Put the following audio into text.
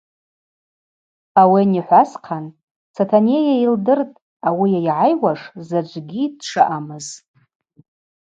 Ауи анихӏва асхъан Сатанейа йылдыртӏ ауи йайгӏайуаш заджвгьи дшаъамыз.